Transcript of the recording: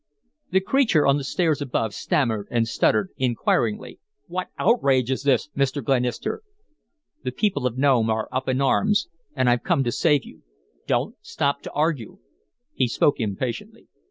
The creature on the stairs above stammered and stuttered, inquiringly: "What outrage is this, Mr. Glenister?" "The people of Nome are up in arms, and I've come to save you. Don't stop to argue." He spoke impatiently.